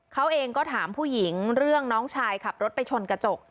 เขาเองก็ถามผู้หญิงเรื่องน้องชายขับรถไปชนกระจก